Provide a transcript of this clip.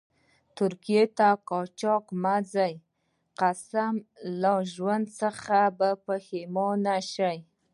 ترکيې ته قاچاق مه ځئ، قسم لا ژوند څخه به پیښمانه شئ.